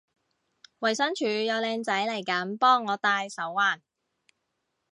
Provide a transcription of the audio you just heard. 衛生署有靚仔嚟緊幫我戴手環